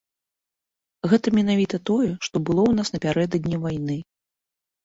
Гэта менавіта тое, што было ў нас напярэдадні вайны.